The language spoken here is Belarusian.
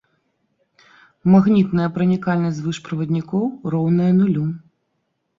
Магнітная пранікальнасць звышправаднікоў роўная нулю.